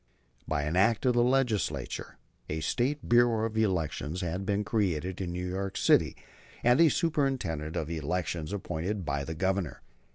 By an Act of the Legislature, a State Bureau of Elections had been created in New York City, and a Superintendent of Elections appointed by the Governor.